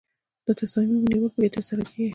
د تصامیمو نیول پکې ترسره کیږي.